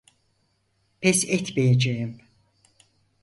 Pes etmeyeceğim.